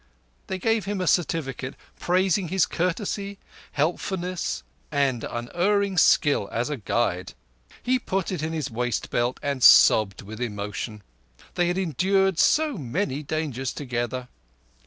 They gave him a certificate praising his courtesy, helpfulness, and unerring skill as a guide. He put it in his waist belt and sobbed with emotion; they had endured so many dangers together.